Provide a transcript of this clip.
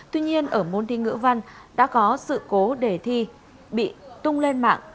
tuy nhiên ở môn thi ngữ văn đã có sự cố đề thi bị tung lên mạng